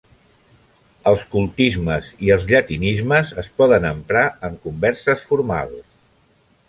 Els cultismes i els llatinismes es poden emprar en converses formals.